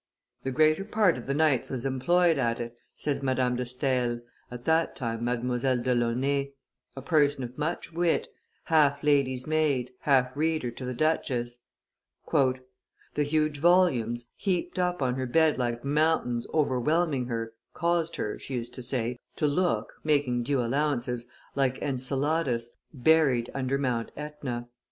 "The greater part of the nights was employed at it," says Madame de Stael, at that time Mdlle. do Launay, a person of much wit, half lady's maid, half reader to the duchess. "The huge volumes, heaped up on her bed like mountains overwhelming her, caused her," she used to say, "to look, making due allowances, like Enceladus, buried under Mount AEtna.